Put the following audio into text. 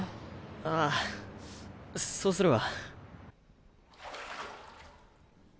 ああそうするわ。